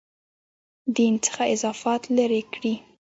دین څخه اضافات لرې کړي.